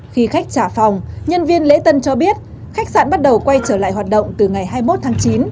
khi khách trả phòng nhân viên lễ tân cho biết khách sạn bắt đầu quay trở lại hoạt động từ ngày hai mươi một tháng chín